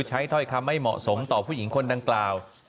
ถ้อยคำไม่เหมาะสมต่อผู้หญิงคนดังกล่าว